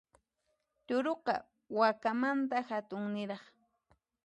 Turuqa, wakamanta hatunniraq.